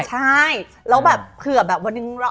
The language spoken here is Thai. ใช่แล้วแบบเผื่อแบบวันหนึ่งเรา